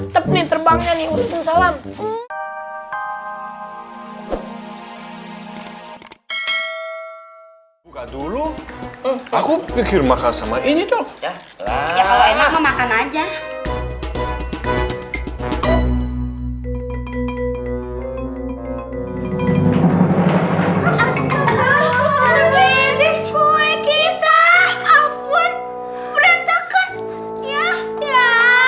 terbangnya nih salam salam dulu aku pikir maka sama ini dong kalau enak memakan aja